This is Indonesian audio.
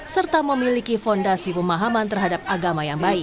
serta memiliki fondasi pemahaman terhadap agama yang baik